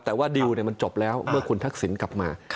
แต่ว่าดิวมันจบแล้วเมื่อคุณทักษิณกลับมา